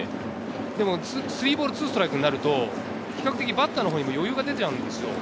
でも、３ボール２ストライクになると比較的バッターのほうにも余裕が出ちゃうんですよ。